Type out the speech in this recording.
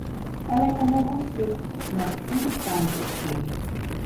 Ela é como você, mas quem sabe porque.